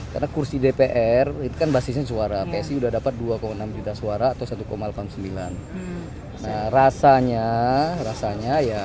karena kursi dpr itu kan basisnya suara psi udah dapat dua enam juta suara atau satu sembilan rasanya rasanya ya